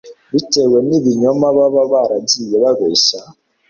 bitewe n'ibinyoma baba baragiye babeshya